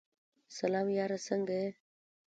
سلام یاره سنګه یی ؟